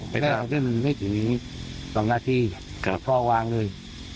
ไม่ทราบแค่ที่มีส่วนงานที่พ่อวางเลย